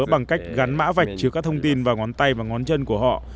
bằng cách gắn mã vạch chứa các thông tin và ngón tay và ngón chân của họ